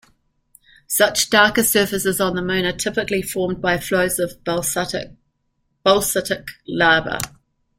Such darker surfaces on the Moon are typically formed by flows of basaltic lava.